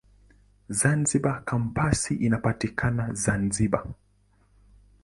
Zanzibar Kampasi inapatikana Zanzibar.